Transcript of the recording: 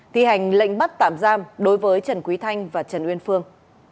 thi hành lệnh bắt tạm giam đối với trần quý thanh và trần uyên phương